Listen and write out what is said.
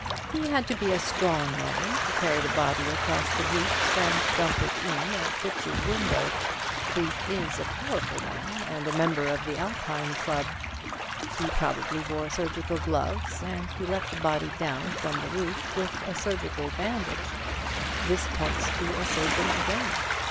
He had to be a strong man to carry the body across the roofs and dump it in at Thipps's window. Freke is a powerful man and a member of the Alpine Club. He probably wore surgical gloves and he let the body down from the roof with a surgical bandage. This points to a surgeon again.